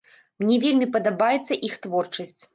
Мне вельмі падабаецца іх творчасць.